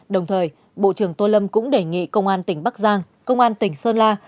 đồng thời bộ trưởng tô lâm cũng đề nghị công an tỉnh bắc giang công an tỉnh sơn la